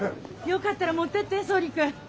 よかったら持ってって総理君。